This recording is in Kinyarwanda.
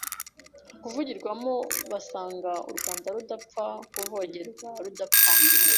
kuvugirwamo, basanga u Rwanda rudapfa kuvogerwa, rudapfa